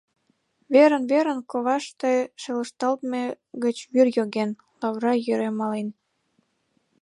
Верын-верын коваште шелышталтме гыч вӱр йоген, лавыра йӧре мален.